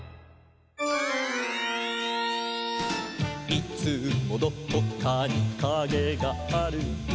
「いつもどこかにカゲがある」